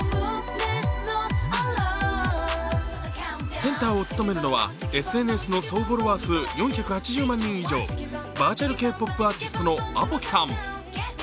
センターを務めるのはＳＮＳの総フォロワー数４８０万人以上、バーチャルＫ−ＰＯＰアーティストのＡＰＯＫＩさん。